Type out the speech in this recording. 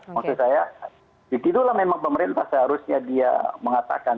maksud saya begitulah memang pemerintah seharusnya dia mengatakan